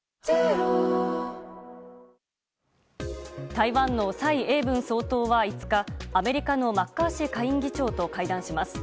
台湾の蔡英文総統は５日アメリカのマッカーシー下院議長と会談します。